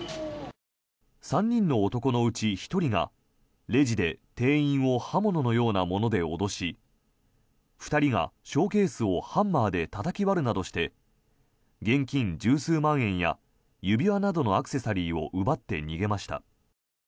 ３人の男のうち１人がレジで店員を刃物のようなもので脅し２人がショーケースをハンマーでたたき割るなどして現金１０数万円や指輪などのアクセサリーを奪って逃げました。